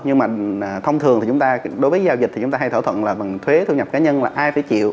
nhưng mà thông thường thì chúng ta đối với giao dịch thì chúng ta hay thỏa thuận là phần thuế thu nhập cá nhân là ai phải chịu